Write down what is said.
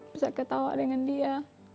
bisa ketawa dengan dia